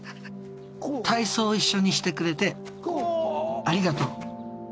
体操一緒にしてくれてありがとう。